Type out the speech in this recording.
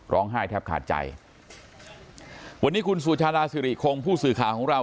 ร้องไห้แทบขาดใจวันนี้คุณสุชาลาซิริคงผู้สื่อขาของเรา